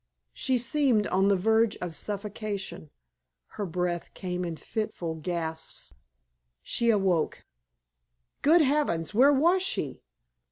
She seemed on the verge of suffocation; her breath came in fitful gasps. She awoke. Good heavens! where was she?